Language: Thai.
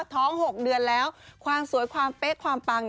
ท้อง๖เดือนแล้วความสวยความเป๊ะความปัง